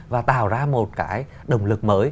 và tạo ra một cái động lực mới